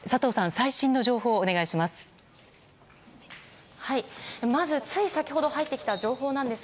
最新の情報をお願いします。